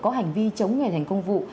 có hành vi chống người thành công vụ